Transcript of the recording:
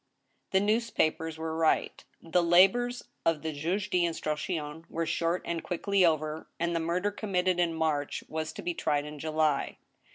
The newspapers were right. The labors of thejt^e d* instruct Hon were short and quickly over, and the murder committed in March was to be tried in July.